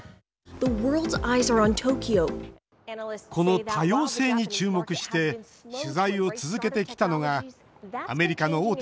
この「多様性」に注目して取材を続けてきたのがアメリカの大手